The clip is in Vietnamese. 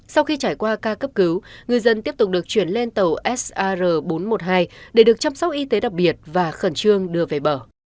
sau khi trải qua ca cấp cứu người dân tiếp tục được chuyển lên tàu sar bốn trăm một mươi hai để được chăm sóc y tế đặc biệt và khẩn trương đưa về bờ